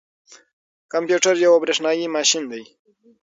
کمپيوټر یو بریښنايي ماشین دی